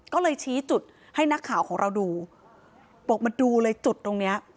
ก็เลยชี้จุดให้นักข่าวของเราดูบอกมาดูเลยจุดตรงเนี้ย